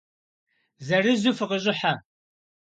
Зырызу фыкъыщӏыхьэ.